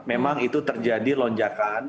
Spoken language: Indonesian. memang itu terjadi lonjakan